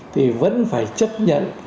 thì vẫn phải chấp nhận